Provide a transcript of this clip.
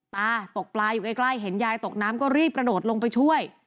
ตกปลาอยู่ใกล้เห็นยายตกน้ำก็รีบกระโดดลงไปช่วย